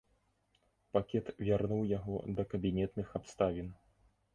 Пакет вярнуў яго да кабінетных абставін.